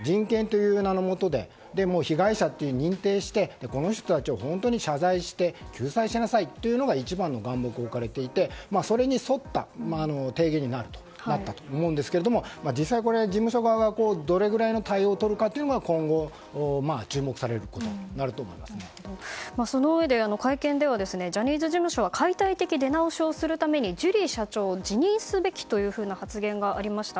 被害者と認定してこの人たちに謝罪して救済しなさいと一番の眼目に置かれていてそれに沿った提言になったと思うんですが実際に事務所側はどれくらいの対応をとるか会見ではジャニーズ事務所は解体的出直しをするためにジュリー社長を辞任すべきというふうな発言がありました。